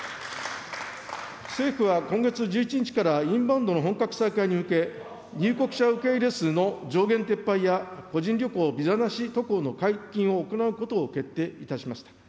政府は今月１１日から、インバウンドの本格再開に向け、入国者受け入れ数の上限撤廃や個人旅行・ビザなし渡航の解禁を行うことを決定いたしました。